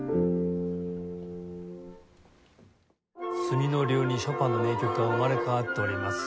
角野流にショパンの名曲が生まれ変わっております。